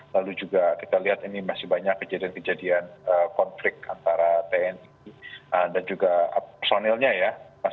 lalu juga kita lihat ini masih banyak kejadian kejadian konflik antara tni dan juga personilnya ya